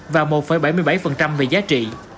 và một bảy mươi bảy về giá trị